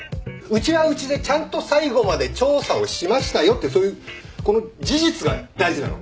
うちはうちでちゃんと最後まで調査をしましたよっていうそういうこの事実が大事なの。